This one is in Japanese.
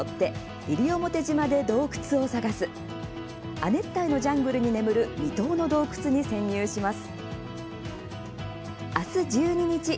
亜熱帯のジャングルに眠る未踏の洞窟に潜入します。